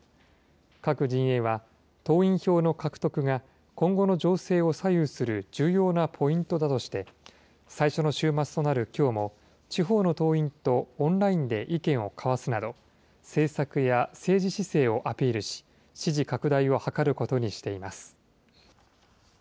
各陣営は党員票の獲得が今後の情勢を左右する重要なポイントだとして、最初の週末となるきょうも、地方の党員とオンラインで意見を交わすなど、政策や政治姿勢をアピールし、支持拡大を図ることにしています。